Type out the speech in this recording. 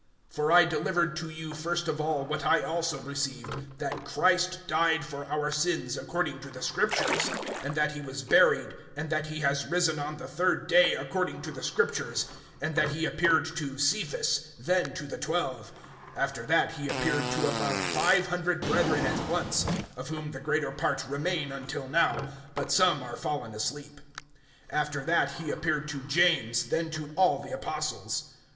(3)For I delivered to you first of all what I also received, that Christ died for our sins according to the Scriptures; (4)and that he was buried, and that he has risen on the third day according to the Scriptures; (5)and that he appeared to Cephas, then to the twelve; (6)after that, he appeared to above five hundred brethren at once; of whom the greater part remain until now, but some are fallen asleep. (7)After that, he appeared to James; then to all the apostles.